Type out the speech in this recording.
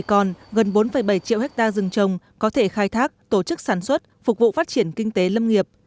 còn gần bốn bảy triệu hectare rừng trồng có thể khai thác tổ chức sản xuất phục vụ phát triển kinh tế lâm nghiệp